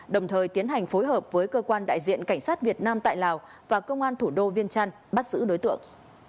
đồng thời tiến hành phối hợp với cơ quan đại diện cảnh sát việt nam tại lào và công an thủ đô viên trăn bắt giữ đối tượng